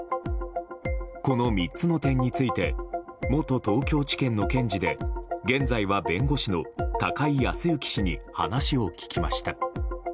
この３つの点について元東京地検の検事で現在は弁護士の高井康行氏に話を聞きました。